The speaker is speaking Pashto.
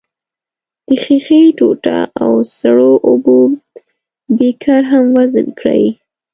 د ښيښې ټوټه او سړو اوبو بیکر هم وزن کړئ.